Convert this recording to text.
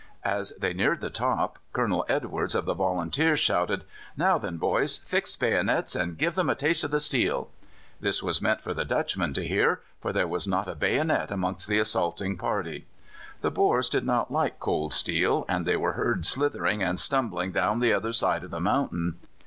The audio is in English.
As they neared the top Colonel Edwards, of the volunteers, shouted: "Now then, boys, fix bayonets, and give them a taste of the steel." This was meant for the Dutchmen to hear, for there was not a bayonet amongst the assaulting party. The Boers do not like cold steel, and they were heard slithering and stumbling down the other side of the mountain.